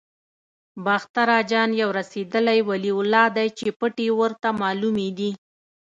باختر اجان یو رسېدلی ولي الله دی چې پټې ورته معلومې دي.